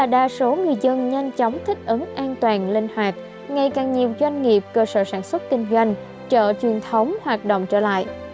tình ứng an toàn linh hoạt ngày càng nhiều doanh nghiệp cơ sở sản xuất kinh doanh chợ truyền thống hoạt động trở lại